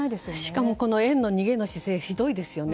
しかも園の逃げの姿勢ひどいですよね。